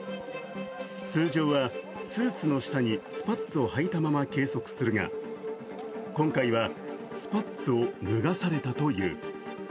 通常はスーツの下にスパッツを履いたまま計測するが、今回はスパッツを脱がされたという。